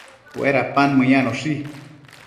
Uedapan meyanoshi